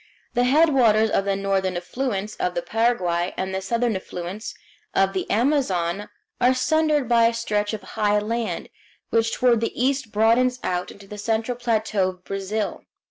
The headwaters of the northern affluents of the Paraguay and the southern affluents of the Amazon are sundered by a stretch of high land, which toward the east broadens out into the central plateau of Brazil.